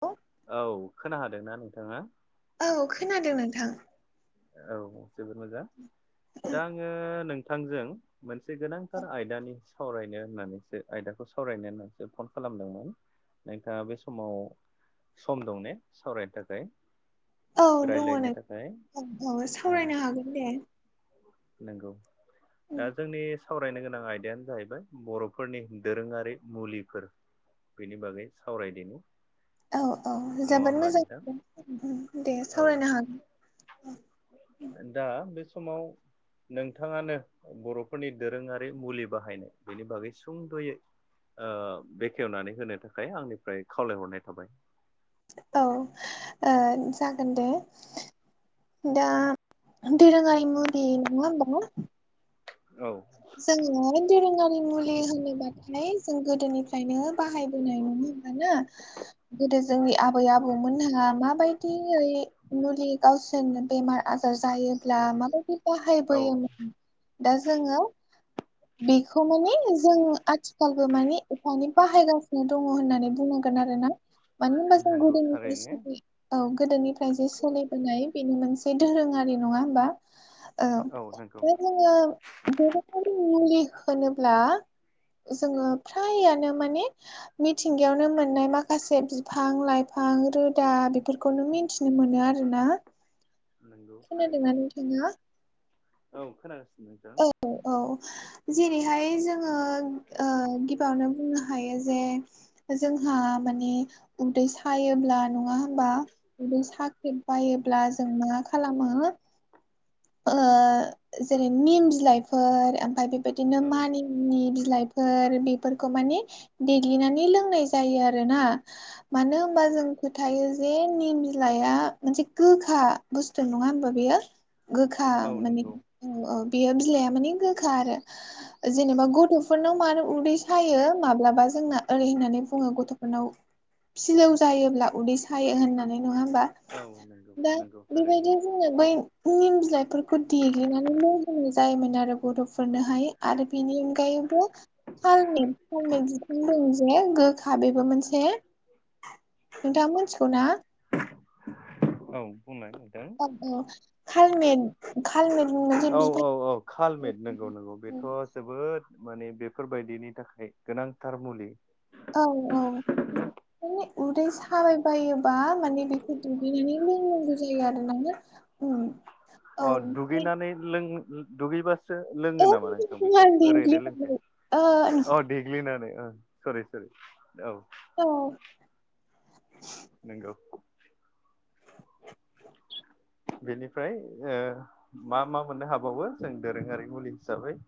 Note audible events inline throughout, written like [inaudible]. औ। औ खोना हादोंना नोंथाङा। औ खोनादों नोंथां। औ जोबोद मोजां दा आङो नोंथांजों मोनसे गोनांथार आयदानि सावरायनो होननानैसो आयदाखौ सावरायनो होननानैसो फन खालामदोंमोन। नोंथाङा बे समाव सम दं ने सावरायनो थाखाय। रायलायनो थााखाय। औ - औ सावरायनो हागोन दे। नंगौ दा जोंनि सावरायनो गोनां आयदायानो जाहैबाय बर'फोरनि दोरोङारि मुलिफोर बेनि बागै सावरायदिनि औ - औ नङा जोबोद होमबा मोजां नोंथां मोन दे औ सावरायनो हागोन दा बे समाव नोंथाङानो बर'फोरनि दोरोङारि मुलि बाहायनाय बेनि बागै सुंद'यै ओ बेखेवनानै होनो थाखाय आंनिफ्राय खावलायहरनाय थाबाय। औ ओ जागोन दे। दा दोरोंङारि गाय मुलि नङा होनोमबा औ। जोङो दोरोङारि मुलि होनोबाथाय जों गोदोनिफ्रायनो बाहायबोनाय नङा ना गोदो जोंनि आबै आबौमोनहा माबायदियै मुलि गावसोरनो बेमार आजार जायो ब्ला माबायदि बाहायबोयोमोन दा जोङो बेखौ माने जों आथिखाल माने एफानि बाहायगासिनो दङ होननानै बुंनांगोन आरो ना। मान होनबा जों नंगौ गुदिफा थारैनो सो औ गोदोनिफ्राय जे सोलिबोनाय बेनो मोनसे दोरोङारि नङा होमबा? औ। दा जोङो दोरोङारि मुलि होनोब्ला जोङो फ्रायानो माने मिथिंगायावनो मोननाय माखासे बिफां लाइफां रोदा बेफोरखौ बेखौनो मिथिनो मोनो आरोना। नंगौ थारैनो खोनादोंना नोंथाङा? औ खोनागासिनो नोंथां। औ औ जेरैहाय जों आ ओ गिबियावनो बुंनो हायो जे जोंहा माने उदै सायोब्ला नङा होमबा बे साख्रेब बायोब्ला जों मा खालामो ओजेरै निम बिलाइफोर ओमफ्राय बेबायदिनो औ मानि नि बिलाइफोर बेफोरखौ माने देग्लिनानै लोंनाय जायो आरोना। मानो होनबा जों फोथायो जे निम बिलाइआ मोनसे गोखा बुस्थु नङा होमबा बेयो गोखा औ माने नंगौ औ बेयो बिलाइआ माने गोखा आरो। जेनेबा गथ'फोरनाव मानो उदै सायो माब्लाबा जोंना ओरै होननानै बुङो गथ'फोरनाव फिलौ जायोब्ला उदै सायो होननानै नङा होमबा औ नंगौ दा नंगौ थारैनो बेबायदि जोङो बै निम बिलाइफोरखौ देग्लिनानै मावजनाय जायोमोन आरो बर'फोरनोहाय आरो बिनि अनगायैबो थालनि थालमट जिख दं जे गोखा बेबो मोनसे नोंथाङा मोनथिगौ ना औ बुंनाय नोंथां। औ खालमेन खाालमेन होनना औ औ औ कालमेट नंगौ नंगौ बेथ' जोबोद माने बेफोरबायदिनि थाखाय गोनांथार मुलि। औ औ। बे उदै सा साबायबायोबा माने बेखौ देग्लिनानै लोंनांगौ जायो आरो ना। उम औ अ दुगैनानै लों दुगैबासो लोङो नामा नोंथां बेखौ ओरैनो लोंजाया अ देग्लिनानै ओ सरि सरि औ औ नोंगौ बेनिफ्राय ओ मा मा मोननो हाबावो जों दोरोङारि मुलि हिसाबै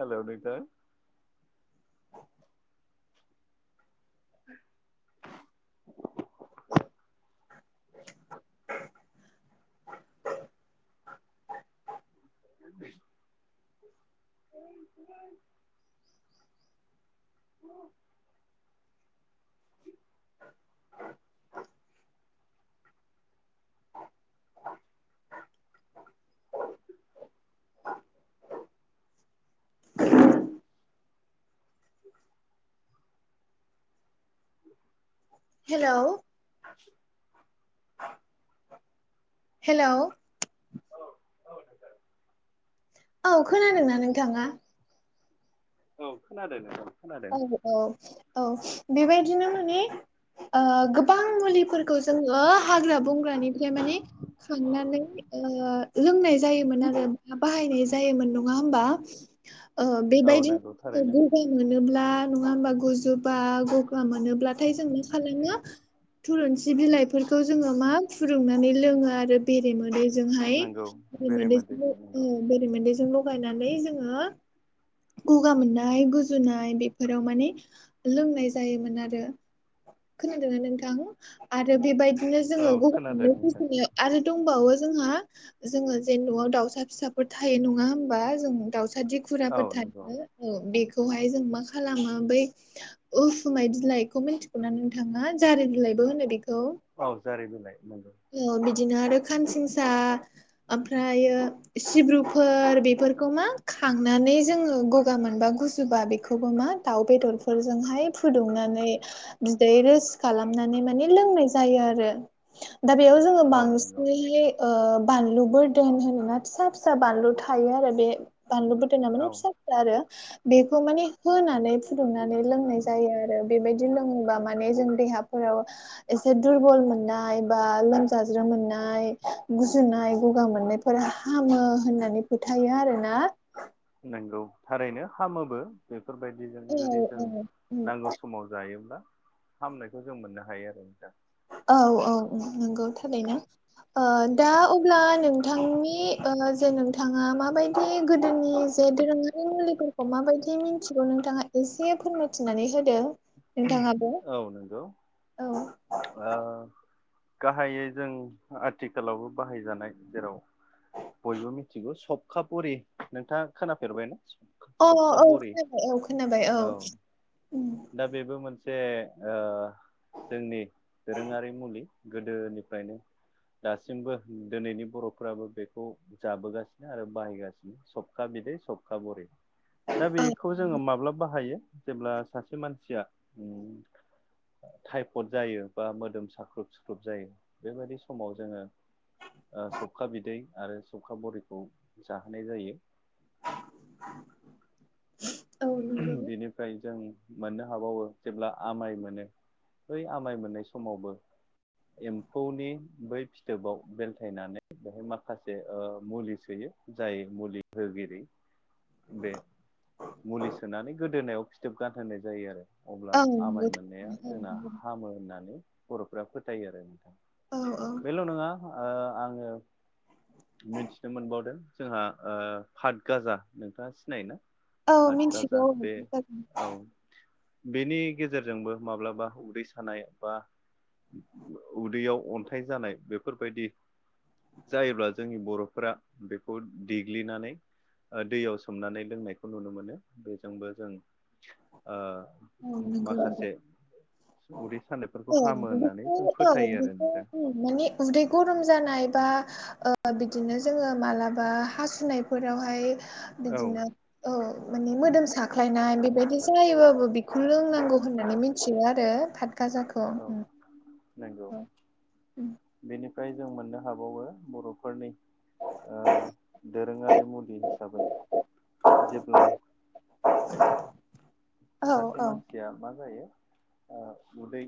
हेल' नोंथां। [unintelligible] [inaudible] [unintelligible] हेल' [unintelligible] हेल' औ खोनादोंना नोंथाङा? औ खोनादों नोंथां खोनादों औ औ औ बेबायदिनो माने ओ गोबां मुलिफोरखौ जोङो हाग्ला बं ग्रानिफ्राय माने खांनानै लोंनाय जायोन आरो बनाय जायो मोन नङा हमबा ओ औ बेबायदि नंगौ थारैनो [unintelligible] मोनोब्ला नङा होमबा गुजुबा गा मोब्लाथाय जों मा खालामो थलुंसि बिइलाइ बेफोरखौ जोङो मा फुदुंनानै लोङो आरो बेरे मोदैजोंहाय नंगौ बेरेमोदै नंगौ बेरेमोदैजों बेरेमोदैजों लगायनानै जोङो गगा मोननाय गुजुनाय बेफोराव माने लोंनाय जायोमोन आरो खोनादों ना नोंथां? आरो बेबायदिनो औ जोङो गंगा खोनादों मोननाय नोंथां गुजुनायाव आरो दंबावो जोंहा जोङो जे न'आव दाउसा फिसाफोर थायो नङा होमबा जों दाउसाद औ गुराफोर नंगौ औ बेखौहाय जों मा खालामो बै उसुमाय बिलाइखौ मिन्थिगौ ना नोंथाङा जारि बिलाइबो होनो बेखौ औ जारिनोलाय नोंगौ औ बिदिनो आरो खानसिंसा ओमफ्रायो सिब्रुफोर बेफोरखौ मा खांनानै जोङो गगा मोनबा गुजुबा बेखौबो मा दाउ बेदरफोरजोंहाय फुदुंनानै बिदै रोस खालामनानै माने लोंनाय जायो आरो। दा बेयाव जोङो औ नंगौ बांसिनैहाय ओ बानलुबो दोन होनोना फिसा फिसा बानलु थायो आरो बे बानलु गोदना माने औ फिसा फिसा आरो बेखौ माने होनानै फुदुंनानै लोंनाय जायो आरो बेबायदि लोङोबा माने जों देहा फोराव एसे दुरबल मोननाय बा लोमजाज्रोम मोननाय गुजुनाय गगा मोननायफोरा हामो होननानै फोथायो आर ना नंगौ थारैनो हामोबो बेफोरबायदिजों जुदि जों नांगौ समाव जायोब्ला हामनायखौ जों मोननो हायो आरो नोंथां औ औ नंगौ थारैनो ओ दा अब्ला नोंथांनि ओ जे नोंथां नोंथाङा माबायदि गोदोनि जे दोरोङारि मुलिफोरखौ माबायदि मिथिगौ नोंथाङा एसे फोरमायथिनानै होदो नोंथाङाबो औ नंगौ औ ओ गाहायै जों आथिखालावबो बाहायजानाय जों जेराव बयबो मिथिगौ सपखापुरि नोंथाङा खोनाफेरबायना? अ सबखा औ बरि खोनाबाय औ खोनाबाय औ उम दा बेबो मोनसे ओ जोंनि दोरोङारि मुलि गोदोनिफ्रायनो दासिमबो दोनैनि बर'फ्राबो बेखौ जाबोगासिनो आरो बाहायगासिनो सबखा बिदै सबखा बरि दा औ बेखौ जोङो माब्लाब बाहायो जेब्ला सासे मानसिया उम टाइफड जायो बा मोदोम साख्रुब सुख्रुब जायो बेबायदि समाव जोङो ओ सबखा बिदै आरो सबखा बरिखौ जाहोनाय जायो। औ उम नंगौ बिनिफ्राय जों मोननो हाबावो जेब्ला आमाय मोनो बै आमाय मोननाय समावबो एम्फौनि बै फिथोबाव बेलथायनानै बेहाय माखासे ओ मुलि सोयो जाय मुलि होगिरि बे मुलि सोनानै गोदोनायाव फिथोब गानहोनाय जायो आरो। अब्ला औ आमाय नंगौ मोननाया औ जोंना नंगौ हामो होननानै बर'फ्रा फोथायो आरो नोंथां। औ बेल' नङा आङो मिथिनो मोनबाव जोंहा ओ पाट गाजा नोंथाङा सिनायोना? औ फादगाजा मिथिगौ औ बे नंगौ औ बेनि गेजेरजोंबो माब्लाबा उदै सानाय बा उदैयाव अन्थाइ जानाय बेफोरबायदि जायोब्ला जोंनि बर'फोरा बेखौ देग्लिनानै दैयाव सोमनानै लोंनायखौ नुनो मोनो। बेजोंबो जों ओ नंगौ माखासे उदै सानो औ बेखौ औ बेखौ नोंथां माने उदै गरम जानाय बा ओ बिदिनो जोङो मालाबा हासुनायफोरावहाय औ बिदिनो औ माने मोदोम साख्लायनाय बेबायदि जायोबाबो बेखौ लोंनांगौ होननानै मिथियो आरो‌। आरो फातगाजाखौ ओम नांगौ बेनिफ्राय जों मोननो हाबावो बर'फोरनि ओ दोरोङारि मुलि हिसाबै जेब्ला सासे औ मानसिया मा जायो उदै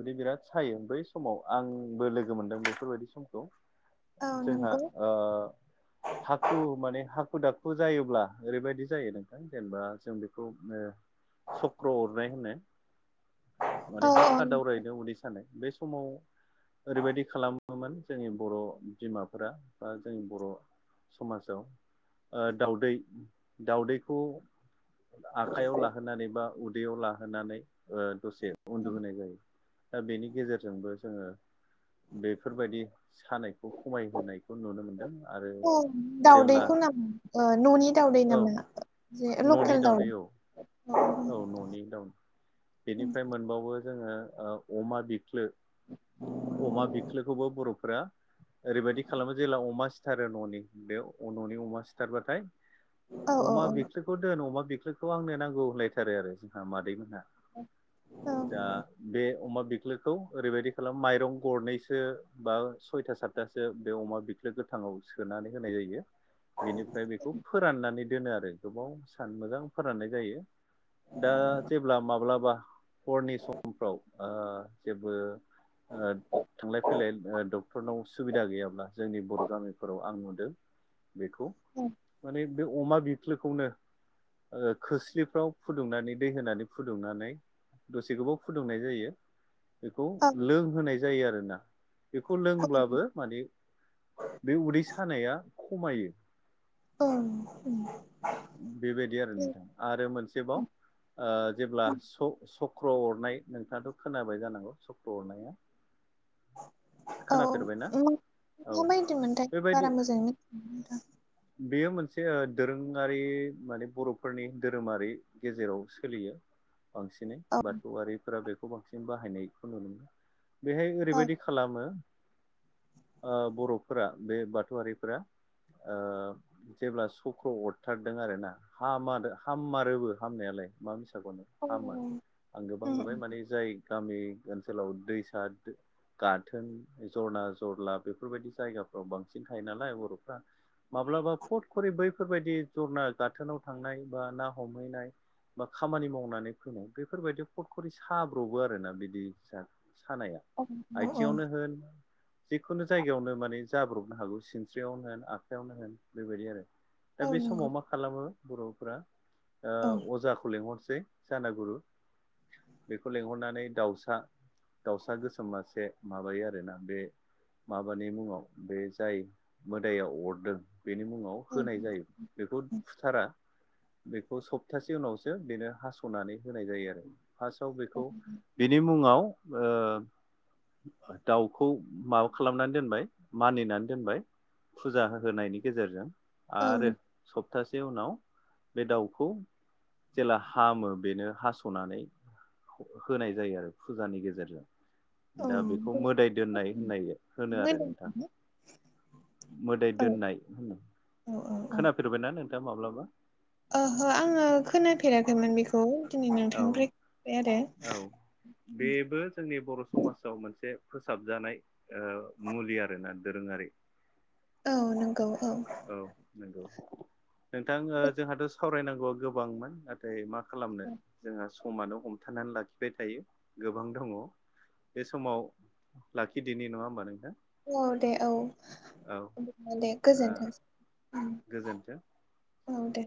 उदै बिराद सायो बै समाव आंबो लोगो मोनदों बेफोरबायदि समखौ औ जोंहा नंगौ ओ हाखु माने हाखु दाखु जायोब्ला ओरैबायदि जायो नोंथां जेनेबा जों बेखौ चक्र अरनाय होनो माने औ हाख्खा दावरायै उदै सानाय बे समाव ओरैबायदि खालाम मोन जोंनि बर' बिमाफोरा बा जोंनि बर' समाजाव ओ दाउदै दाउदैखौ आखाइयाव लाहोनानै बा उदैयाव लाहोनानै ओ दसे उन्दुहोनाय जायो। दा बेनि गेजेरजोंबो जोङो बेफोरबायदि सानायखौ खमायहोनायखौ नुनो मोनदों। आरो औ जेब्ला दाउदैखौ नामा न'नि दाावदै औ नामा जे न'नि लकेल दाउदै औ औ न'नि दं बेनिफ्राय मोनबावो जोङो अमा बिख्लो अमा बिख्लोखौबो बर'फोरा ओरैबायदि खालामो जेब्ला अमा सिथारो न'नि बे न'नि अमा सिथारबाथाय औ अमा औ बिख्लोखौ दोन अमा बिख्लोखौ आंनो नांगौ होनलायथारो आरो जोंहा मादैमोनहा दा बे अमा बिख्लोखौ ओरैबायदि खालाम माइरं गरनैसो बा सयथा सातथासो बे अमा बिख्लो गोथाङाव सोनानै होनाय जायो। बिनिफ्राय बेखौ फोराननानै दोनो आरो गोबाव सान मोजां फोराननाय जायो। दा जेब्ला माब्लाबा हरनि समफ्राव ओ जेबो ओ थांलाय फैलाय डक्टरनाव सुबिदा गैयाब्ला जोंनि बर' गामिफोराव आं नुदों बेखौ माने बे अमा बिख्लोखौनो खोस्लिफ्राव फुदुंनानै दै होनानै फुदुंनानै दसे गोबाव फुदुंनाय जायो। बेखौ औ लोंहोनाय जायो आरोना बेखौ लोंब्लाबो माने बे उदै सानाया खमायो। ओं बेबायदि आरो नोंथां आरो मोनसेबाव ओ जेब्ला स-सक्र अरनाय नोंथाङाथ' खोनाबाय जानांगौ सक्र' अरनाया औ खोनाफेरबायना औ माबायदि मोनथाय बेबायदि बारा मोजाङै मिथिया नोंथां बेयो मोनसे दोरोङारि माने बर'फोरनि धोरोमारि गेजेराव सोलियो बांसिनै औ बाथौआरिफोरा बेखौ बांसिन बाहायनायखौ नुनो मोनो बेहाय औ ओरैबायदि खालामो बर'फोरा बे बाथौआरिफोरा ओ जेब्ला सक्र' अरथारदों आरोना हा हाम मारोबो हामनायालाय मा मिसाखौ होननो औ हामो आं औ गोबां नुबाय माने जाय गामि ओनसोलाव दैसा गाथोन जरना जरला बेफोरबायदि जायगाफ्राव बांसिन थायो नालाय बर'फ्रा माब्लाबा पट खरि बैफोरबायदि जरना गाथोनाव थांनाय बा ना हमहैनाय बा खामानि मावनानै फैनाय बेफोरबायदि पद खरि साब्र'बो आरोना बिदि सानाया औ औ आथिङावनो होन जिखुनु जायगायावनो माने जाब्रबनो हागौ सिनस्रियावनो होन आखायावनो होन बेबायदि आरो दा औ बे नंगौ समाव मा खालामो बर'फोरा औ अजाखौ लिंहरसै जानागुरु बेखौ लिंहरनानै दाउसा दाउसा गोसोम मासे बे माबायो आरोना बे माबानि मुङाव बे जाय मोदायाव अरदों बेनि मुङाव औ होनाय जायो बेखौ फुथारा बेखौ सप्तासे उनावसो बेनो हास'नानै होनाय जायो आरो फार्स्टआव बेखौ बिनि मुङाव दाउखौ माबा खालामनानै दोनबाय मानिनानै दोनबाय फुजा होनायनि गेजेरजों आरो सप्तासे उनाव बे दाउखौ जेला हामो बेनो हास'नानै होनाय जायो आरो फुजानि गेजेरजों दा बेखौ मोदाय दोननाय होननाय होनो मोदोम औ आरो नोंथां मोदाय औ दोननाय होनो। खोनाफेरबायना नोंथाङा माब्लाबा? ओहो आङो खोनाफेराखैमोन बेखौ दिनै औ नोंथांनिफ्रायबाय आरो औ बेबो जोंनि बर' समाजाव मोनसे फोसाबजानाय ओ मुलि आरोना दोरोङारि औ नंगौ औ औ नंगौ। नोंथां ओ जोंहाथ' सावरायनांगौआ गोबांमोन नाथाय मां खालामनो जोंहा समानो हमथानानै लाखिबाय थायो गोबां दङ बे समाव लाखिदिनि नङा होमबा नोंथा औ दे औ। दे ओ गोजोनथों। गोजोन्थों औ दे